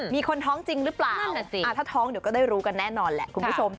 มีคนท้องจริงหรือเปล่านั่นแหละสิถ้าท้องเดี๋ยวก็ได้รู้กันแน่นอนแหละคุณผู้ชม